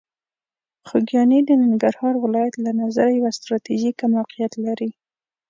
خوږیاڼي د ننګرهار ولایت له نظره یوه ستراتیژیکه موقعیت لري.